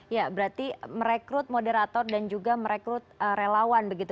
ya berarti merekrut moderator dan juga merekrut relawan begitu